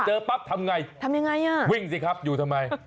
เจอปั๊บทำยังไงทำยังไงวิ่งสิครับอยู่ทำไม